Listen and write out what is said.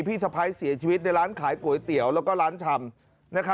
พี่สะพ้ายเสียชีวิตในร้านขายก๋วยเตี๋ยวแล้วก็ร้านชำ